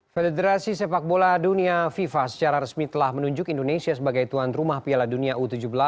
federasi sepak bola dunia fifa secara resmi telah menunjuk indonesia sebagai tuan rumah piala dunia u tujuh belas